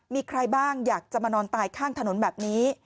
มีใครบ้างอยากจะมานอนตายข้างถนนแบบนี้